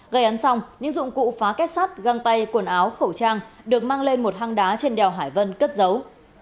gây án xong những dụng cụ phá kết sắt găng tay quần áo khẩu trang được mang lên một hang đá trên đèo hải vân cất giấu